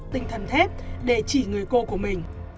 tinh thần thép để chỉ người cô của mình